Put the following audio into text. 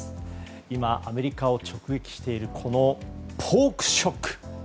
今、アメリカを直撃しているポークショック。